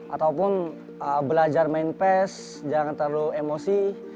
ataupun belajar main pes jangan terlalu emosi